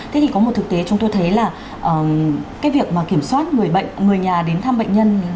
thế thì có một thực tế chúng tôi thấy là cái việc kiểm soát người nhà đến thăm bệnh nhân